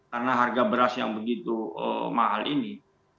karena harga beras yang begitu mahal ini